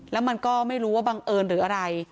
แล้วมันก็ไม่รู้ว่าบังเอิญหรืออะไร